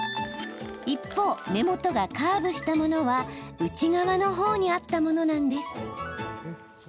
一方、根元がカーブしたものは内側のほうにあったものなんです。